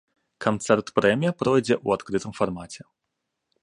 Канцэрт-прэмія пройдзе ў адкрытым фармаце.